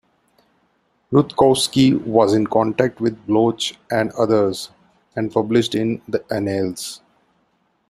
Rutkowski was in contact with Bloch and others, and published in the Annales.